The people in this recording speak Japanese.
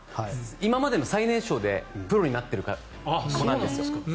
今までの最年少でプロになってる方なんです。